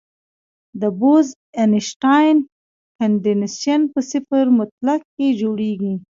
د بوز-اینشټاین کنډنسیټ په صفر مطلق کې جوړېږي.